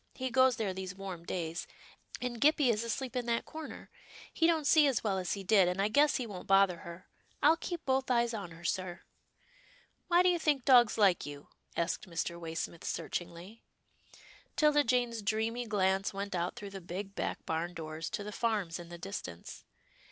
He goes there these warm days, and Gippie is asleep in that corner. He don't see as well as he did, and I guess he won't bother her. I'll keep both eyes on her, sir." " Why do you think dogs like you ?" asked Mr. Waysmith, searchingly. 'Tilda Jane's dreamy glance went out through the big back barn doors, to the farms in the dis tance.